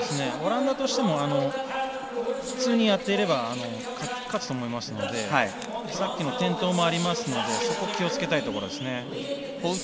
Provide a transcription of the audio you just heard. オランダとしても普通にやっていれば勝つと思いますのでさっきの転倒もあるのでそこは気をつけたいですね。